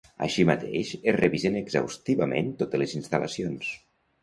Així mateix, es revisen exhaustivament totes les instal·lacions.